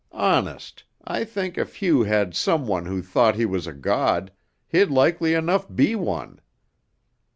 Honest, I think if Hugh had some one who thought he was a god, he'd likely enough be one.